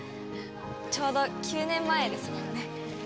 ちょうど９年前ですものね。